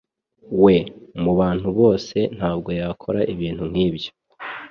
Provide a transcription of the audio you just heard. We, mubantu bose, ntabwo yakora ibintu nkibyo.